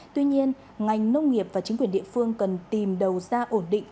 tuy nhiên ngành nông nghiệp và chính quyền địa phương cần tìm đầu ra ổn định